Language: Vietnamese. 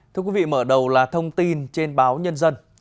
thưa quý vị mở đầu là thông tin trên báo nhân dân